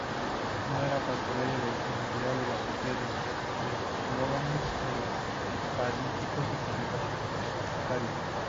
No era partidario de emplear la poesía en eslóganes propagandísticos o publicitarios.